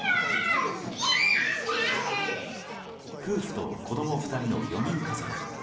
夫婦と子供２人の４人家族。